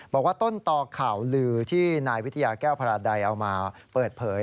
บอกว่าต้นต่อข่าวลือที่นายวิทยาแก้วพลาดัยเอามาเปิดเผย